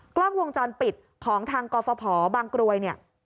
กล้องวงจรปิดของทางกภบางกรวย